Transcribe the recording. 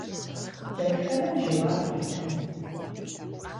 Дэтхэнэм жэуап къитыну?